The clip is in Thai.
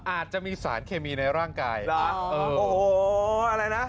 อาจจะมีสารเคมีในร่างกายเหรอโอ้โหอะไรนะ